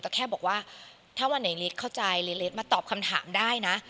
แต่แค่บอกว่าถ้าวันไหนเล็กเข้าใจเล็กมาตอบคำถามได้นะ